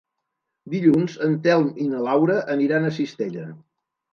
Dilluns en Telm i na Laura aniran a Cistella.